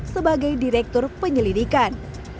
sebagai direktur penyelidikan